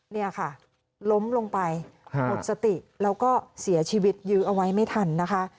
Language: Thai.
เนี่ยค่ะล้มลงไปหมดสติแล้วก็เสียชีวิตยื้อเอาไว้ไม่ทันนะคะ